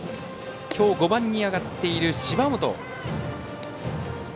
今日、５番に上がっている芝本。